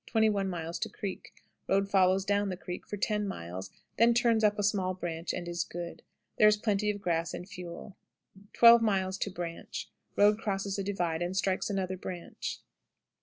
Creek. Road follows down the creek for ten miles, then turns up a small branch, and is good. There is plenty of grass and fuel. 12. Branch. Road crosses a divide and strikes another branch.